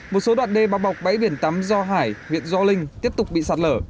một số đoạn đê bắp bọc bãi biển tám do hải viện do linh tiếp tục bị sạt lỡ